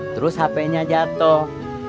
terus hapenya jatuh